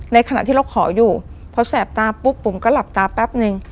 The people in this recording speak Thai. ขณะที่เราขออยู่พอแสบตาปุ๊บปุ๋มก็หลับตาแป๊บนึง